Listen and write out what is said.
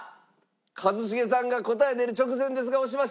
一茂さんが答え出る直前ですが押しました。